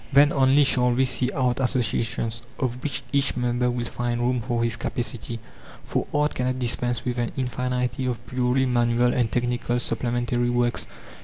Then only shall we see art associations, of which each member will find room for his capacity; for art cannot dispense with an infinity of purely manual and technical supplementary works.